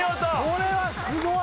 これはすごい！